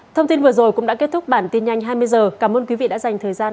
thông tin vừa rồi cũng đã kết thúc bản tin nhanh hai mươi h cảm ơn quý vị đã dành thời gian